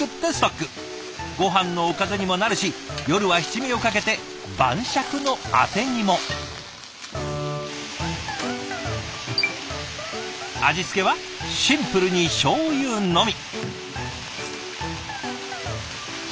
ごはんのおかずにもなるし夜は七味をかけて晩酌のあてにも。味付けはシンプルにしょうゆのみ。